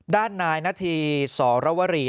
ด้านที่หน้านัทีสรวรี